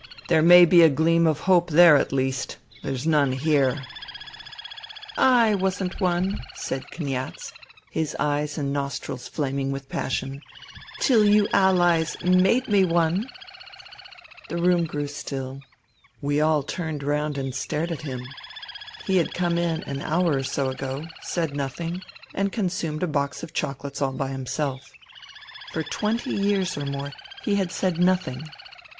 There may be a gleam of hope there at least. There's none here." "/ wasn't one," said Kniaz, his eyes and nostrils flaming with passion, " till you Allies made me one !" The room grew still. We all turned round and stared at him. He had come in an hour or so ago, said nothing and consumed a box of chocolates all by himself. For twenty years or more he had said nothing.